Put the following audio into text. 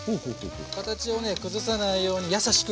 形をね崩さないように優しくここは。